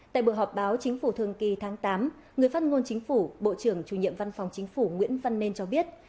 tại buổi họp báo chính phủ thường kỳ tháng tám người phát ngôn chính phủ bộ trưởng chủ nhiệm văn phòng chính phủ nguyễn văn nên cho biết